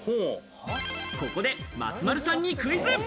ここで松丸さんにクイズ。